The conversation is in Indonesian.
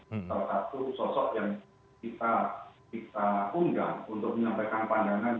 salah satu sosok yang kita undang untuk menyampaikan pandangan